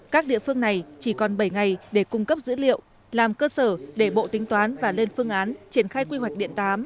các địa phương này chỉ còn bảy ngày để cung cấp dữ liệu làm cơ sở để bộ tính toán và lên phương án triển khai quy hoạch điện tám